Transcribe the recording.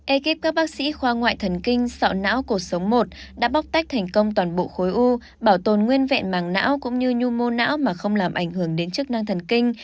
ekip các bác sĩ khoa ngoại thần kinh sọ não cuộc sống một đã bóc tách thành công toàn bộ khối u bảo tồn nguyên vẹn màng não cũng như nhu mô não mà không làm ảnh hưởng đến chức năng thần kinh